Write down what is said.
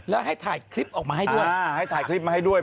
และให้ถ่ายคลิปออกมาให้ด้วย